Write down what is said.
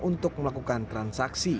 untuk melakukan transaksi